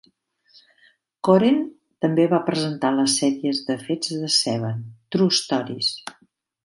Coren també va presentar les sèries de fets de Seven, "True Stories".